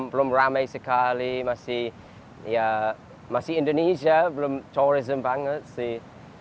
belum rame sekali masih indonesia belum turisme banget sih